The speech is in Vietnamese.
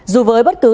dù với bất cứ